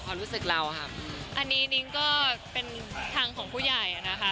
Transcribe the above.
ความรู้สึกเราค่ะอันนี้นิ้งก็เป็นทางของผู้ใหญ่อ่ะนะคะ